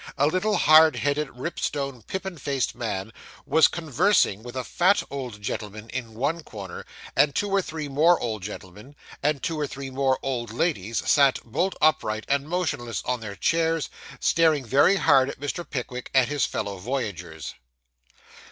A little hard headed, Ripstone pippin faced man, was conversing with a fat old gentleman in one corner; and two or three more old gentlemen, and two or three more old ladies, sat bolt upright and motionless on their chairs, staring very hard at Mr. Pickwick and his fellow voyagers.